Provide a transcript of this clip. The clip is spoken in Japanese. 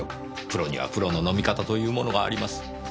プロにはプロの飲み方というものがあります。